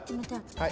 はい！